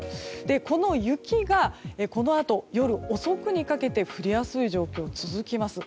この雪がこのあと夜遅くにかけて降りやすい状況が続きます。